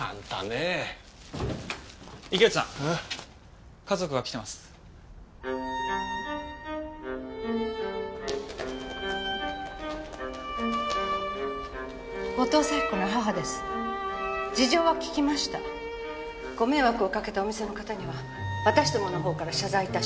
ご迷惑をかけたお店の方には私どものほうから謝罪いたします。